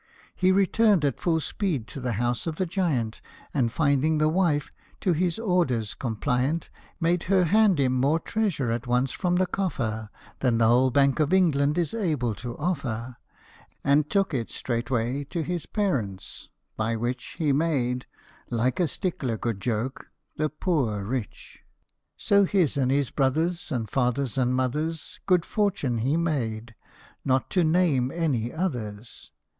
He returned at full speed to the house of the giant, And finding the wife to his orders compliant, Made her hand him more treasure at once from the coffer Than the whole Bank of England is able to offer, And took it straightway to his parents, by which He made, like a 'tickler good joke, the poor rich. So his and his brothers' And father's and mother's Good fortune he made not to name any others.